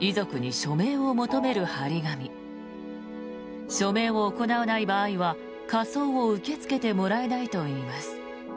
署名を行わない場合は火葬を受け付けてもらえないといいます。